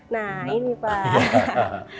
nah ini pak